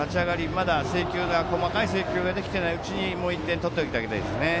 まだ細かい制球ができていないうちにもう１点取っておきたいですね。